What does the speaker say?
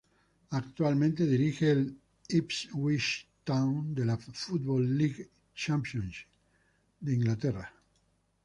Actualmente dirige el Ipswich Town de la Football League Championship de Inglaterra.